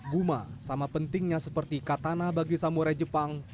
guma sama pentingnya seperti katana bagi samurai jepang